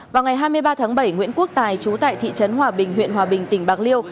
vào ngày hai mươi ba tháng bảy nguyễn quốc tài chú tại thị trấn hòa bình huyện hòa bình tỉnh bạc liêu